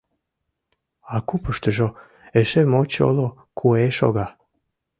А купыштыжо эше мочоло куэ шога!